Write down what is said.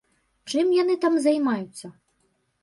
Чым яны там займаюцца?